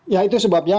ya itu sebabnya